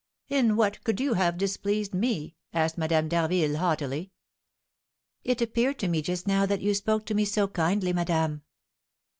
"In what could you have displeased me?" asked Madame d'Harville, haughtily. "It appeared to me just now that you spoke to me so kindly, madame."